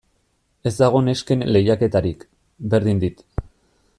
Ez dago nesken lehiaketarik, berdin dit.